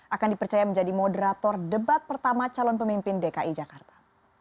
akan dipercaya menjadi moderator debat pertama calon pemimpin dki jakarta